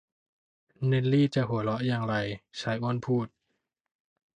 เนลลีจะหัวเราะอย่างไร ชายอ้วนพูด